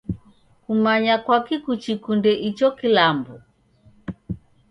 Kwamanya kwaki kuchikunde icho kilambo?